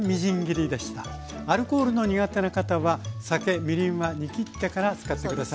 アルコールの苦手な方は酒みりんは煮きってから使って下さい。